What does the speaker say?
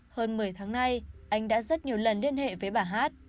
hơn một mươi tháng nay anh đã rất nhiều lần liên hệ với bà hát